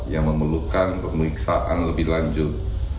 yang memerlukan pemeriksaan lebih lanjut